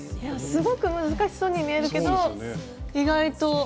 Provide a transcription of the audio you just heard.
すごく難しそうに見えるけど意外と。